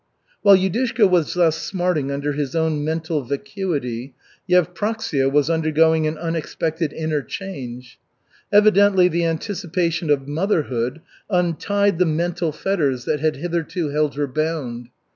While Yudushka was thus smarting under his own mental vacuity, Yevpraksia was undergoing an unexpected inner change. Evidently the anticipation of motherhood untied the mental fetters that had hitherto held her bound.